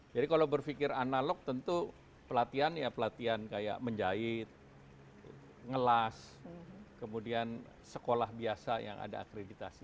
jadi kalau berpikir analog tentu pelatihan ya pelatihan kayak menjahit ngelas kemudian sekolah biasa yang ada akreditasi